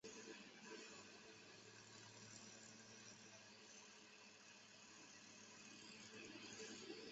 梨叶悬钩子为蔷薇科悬钩子属的植物。